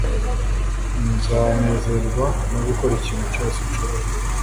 Nzanezezwa no gukora ikintu cyose nshoboye